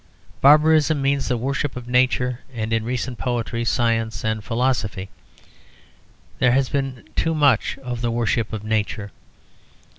Barbarism means the worship of Nature; and in recent poetry, science, and philosophy there has been too much of the worship of Nature.